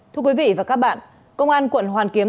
thưa quý vị và các bạn công an quận hoàn kiếm